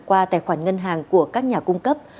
qua tài khoản ngân hàng của các nhà cung cấp